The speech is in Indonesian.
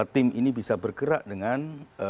tim ini bisa bergerak dengan